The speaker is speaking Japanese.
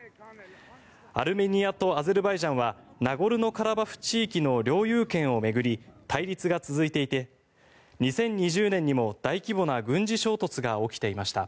アルメニアとアゼルバイジャンはナゴルノカラバフ地域の領有権を巡り対立が続いていて２０２０年にも大規模な軍事衝突が起きていました。